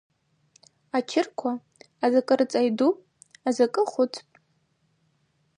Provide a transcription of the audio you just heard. Ачырква азакӏы рыцӏа йдупӏ, азакӏы хвыцпӏ.